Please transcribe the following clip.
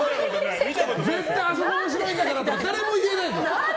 絶対あそこ面白いんだからとか誰も言えないの。